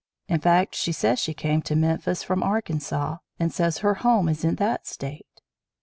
In fact she says she came to Memphis from Arkansas, and says her home is in that State.